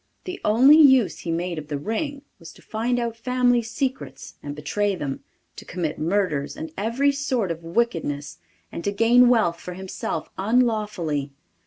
The only use he made of the ring was to find out family secrets and betray them, to commit murders and every sort of wickedness, and to gain wealth for himself unlawfully.